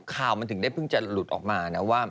ข่าวมันถึงได้เพิ่งจะหลุดออกมานะว่า